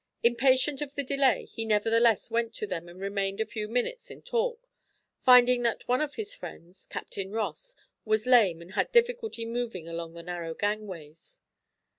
Impatient of the delay, he nevertheless went to them and remained a few minutes in talk, finding that one of his friends, Captain Ross, was lame and had difficulty moving along the narrow gangways.